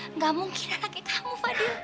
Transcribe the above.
enggak mungkin anaknya kamu fadil